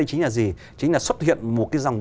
chính là gì chính là xuất hiện một cái dòng